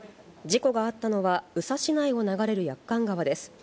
事故があったのは、宇佐市内を流れる駅館川です。